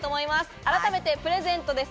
改めてプレゼントです。